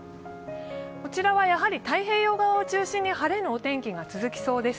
こちらは太平洋側を中心に晴れのお天気が続きそうです。